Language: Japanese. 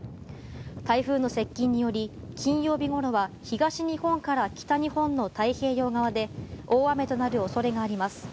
台風の接近により、金曜日ごろは東日本から北日本の太平洋側で大雨となる恐れがあります。